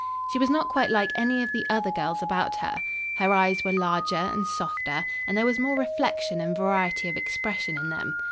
She was not quite like any of the other girls about her. Her eyes were larger and softer and there was more reflection and variety of expression in them.